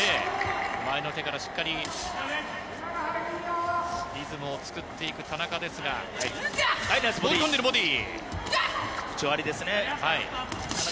前の手からしっかりリズムを作っていく田中ですが、ナイスボディー。